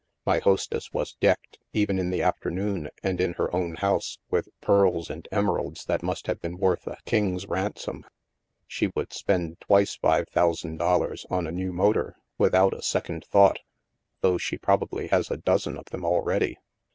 My hostess was decked, even in the afternoon and in her own house, with pearls and emeralds that must have been worth a king's ransom. She would spend twice five thou sand dollars on a new motor, without a second thought, though she probably has a dozen of them already.